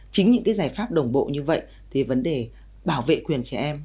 chính những cái giải pháp đồng bộ như vậy thì vấn đề bảo vệ quyền trẻ em